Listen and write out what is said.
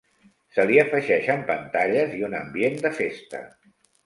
Se li afegeixen pantalles i un ambient de festa.